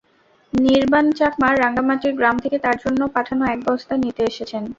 নির্বাণ চাকমা রাঙামাটির গ্রাম থেকে তাঁর জন্য পাঠানো একটি বস্তা নিতে এসেছেন।